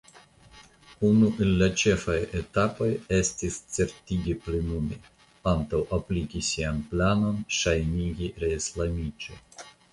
Unu el la ĉefaj etapoj estis certigi plenumi antaŭ apliki sian planon ŝajnigi reislamiĝi.